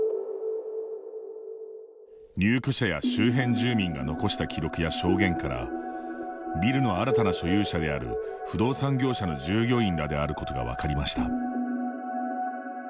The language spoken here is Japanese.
入居者や周辺住民が残した記録や証言からビルの新たな所有者である不動産業者の従業員らであることが分かりました。